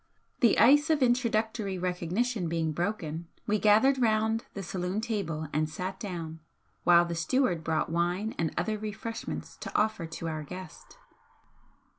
The ice of introductory recognition being broken, we gathered round the saloon table and sat down, while the steward brought wine and other refreshments to offer to our guest.